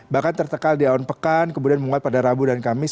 bahkan tertekal di awan pekan kemudian menguat pada rabu dan kamis